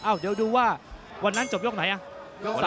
เดี๋ยวดูว่าวันนั้นจบยกไหนอ่ะ